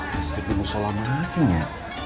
listrik di musola matinya